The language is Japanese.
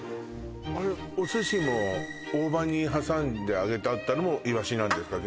お寿司も大葉に挟んで揚げてあったのもイワシなんですか？